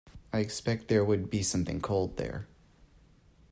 I expect there would be something cold there.